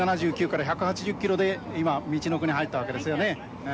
１７９から１８０キロで、今、みちのくに入ったわけですよね。